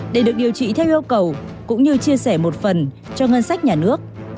để được điều trị theo yêu cầu cũng như chia sẻ một phần cho ngân sách nhà nước